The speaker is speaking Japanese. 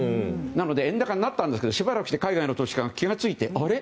なので円高になったんですけどしばらくして海外の投資家が気が付いてあれ？